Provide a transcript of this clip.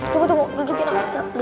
tunggu tunggu dudukin aku